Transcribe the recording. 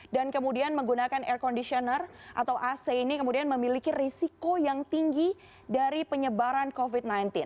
dan kemudian menggunakan air conditioner atau ac ini kemudian memiliki risiko yang tinggi dari penyebaran covid sembilan belas